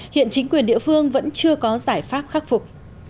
hiện chính quyền địa phương vẫn chưa có giải pháp khắc phục